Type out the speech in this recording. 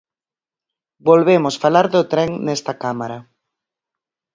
Volvemos falar do tren nesta cámara.